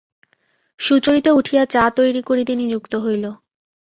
সুচরিতা উঠিয়া চা তৈরি করিতে নিযুক্ত হইল।